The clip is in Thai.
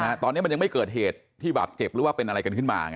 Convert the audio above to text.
ตอนนี้มันยังไม่เกิดเหตุที่บาดเจ็บหรือว่าเป็นอะไรกันขึ้นมา